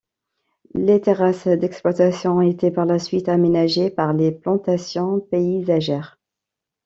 Les terrasses d'exploitation ont été par la suite aménagée par des plantations paysagères.